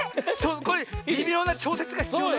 これびみょうなちょうせつがひつようね。